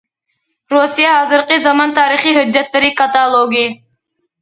رۇسىيە ھازىرقى زامان تارىخى ھۆججەتلىرى كاتالوگى.